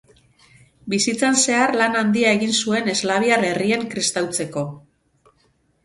Bizitzan zehar lan handia egin zuen eslaviar herrien kristautzeko.